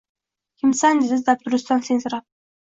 Kimsan, dedi dabdurustdan sensirab